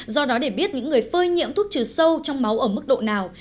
do đó để biết những người phơi nhiễm thuốc trừ sâu trong máu ở mức độ nào